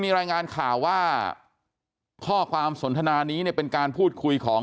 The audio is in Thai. มีรายงานข่าวว่าข้อความสนทนานี้เนี่ยเป็นการพูดคุยของ